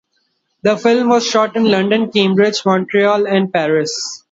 The film was shot in London, Cambridge, Montreal, and Paris.